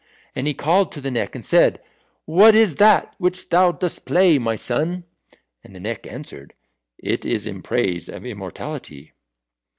And he called to the Neck and said, "What is that which thou dost play, my son?" And the Neck answered, "It is in praise of immortality."